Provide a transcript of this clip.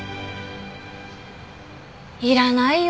いらないよ。